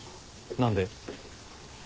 何で？